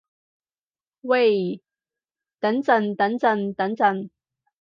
喂等陣等陣等陣